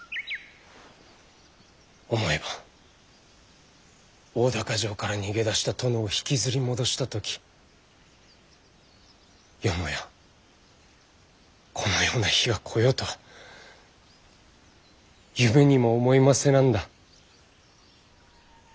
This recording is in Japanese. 思えば大高城から逃げ出した殿を引きずり戻した時よもやこのような日が来ようとは夢にも思いませなんだ。